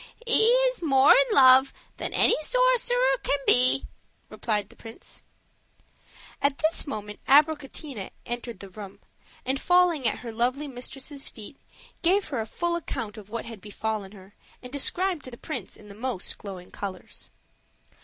"He is more in love than any sorcerer can be," replied the prince. At this moment Abricotina entered the room, and falling at her lovely mistress' feet, gave her a full account of what had befallen her, and described the prince in the most glowing colors.